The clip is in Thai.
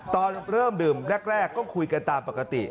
ตอนเริ่มดื่มแรกก็คุยกันตามปกติ